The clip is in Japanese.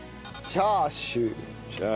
チャーシュー。